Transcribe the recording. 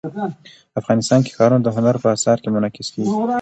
افغانستان کې ښارونه د هنر په اثار کې منعکس کېږي.